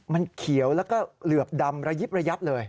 มันเขียวแล้วก็เหลือบดำระยิบระยับเลย